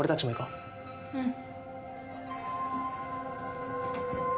うん。